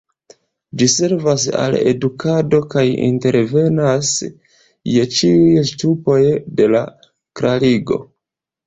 Ĝi servas al edukado kaj intervenas je ĉiuj ŝtupoj de la klerigo.